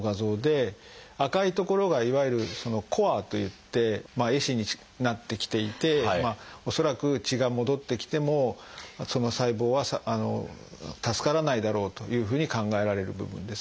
赤い所がいわゆる「コア」といって壊死になってきていて恐らく血が戻ってきてもその細胞は助からないだろうというふうに考えられる部分です。